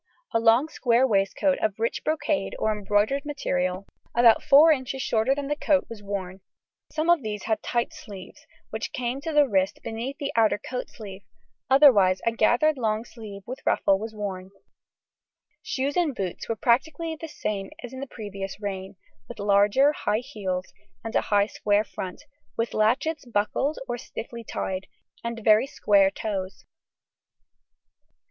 A long square waistcoat of rich brocade or embroidered material, about four inches shorter than the coat, was worn; some of these had tight sleeves, which came to the wrist beneath the outer coat sleeve; otherwise a gathered lawn sleeve with ruffle was worn. Shoes and boots were practically the same as in the previous reign, with larger high heels and a high square front, with latchets buckled or stiffly tied, and very square toes.